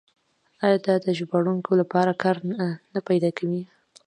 آیا دا د ژباړونکو لپاره کار نه پیدا کوي؟